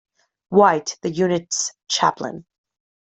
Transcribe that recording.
White, the unit's Chaplain.